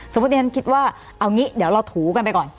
สมมุติตอนนี้ผมคิดว่าเอางี้เราถูกันไปก่อน